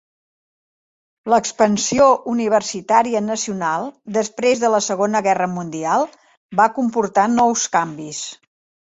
L'expansió universitària nacional després de la Segona Guerra Mundial va comportar nous canvis.